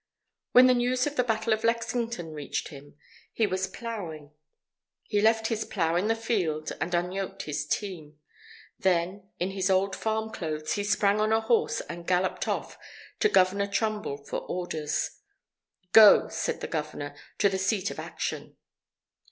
When the news of the Battle of Lexington reached him, he was ploughing. He left his plough in the field, and unyoked his team. Then, in his old farm clothes, he sprang on a horse and galloped off to Governor Trumbull for orders. "Go," said the Governor, "to the seat of action."